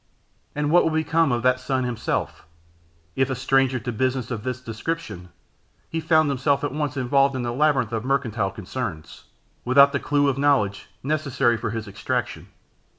and what would become of that son himself, if, a stranger to business of this description, he found himself at once involved in the labyrinth of mercantile concerns, without the clew of knowledge necessary for his extraction?